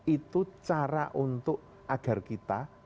itu cara untuk agar kita